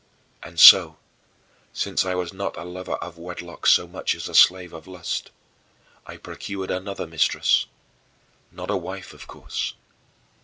And so, since I was not a lover of wedlock so much as a slave of lust, I procured another mistress not a wife, of course.